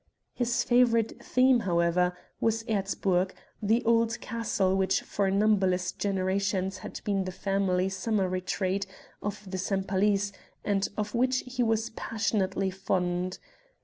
His favorite theme, however, was Erzburg, the old castle which for numberless generations had been the family summer retreat of the Sempalys and of which he was passionately fond.